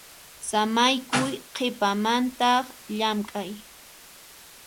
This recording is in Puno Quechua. Samaykuy qhipamantaq llamk'ay.